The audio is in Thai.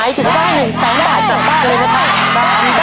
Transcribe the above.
ได้หรือไม่ได้คุณผู้ชมเชียวกันนะครับ